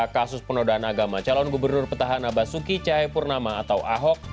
kasus penodaan agama calon gubernur petahana basuki cahayapurnama atau ahok